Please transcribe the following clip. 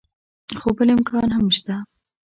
خو بل امکان هم شته.